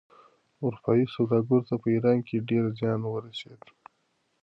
اروپايي سوداګرو ته په ایران کې ډېر زیان ورسېد.